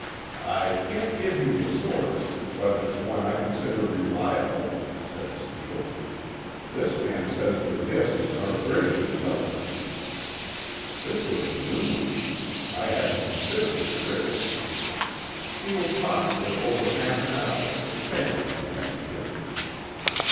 "I can't give you the source, but it's one I consider reliable," said Steele. "This man says the disks are British developments." This was a new one. I hadn't considered the British. Steele talked for over half an hour, expanding the idea.